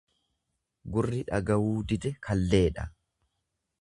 Gurri dhagawuu dide kalleedha.